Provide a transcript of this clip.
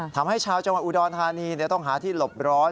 ทำให้เช้าจะมาอุดรธานีเนี่ยต้องหาที่หลบร้อน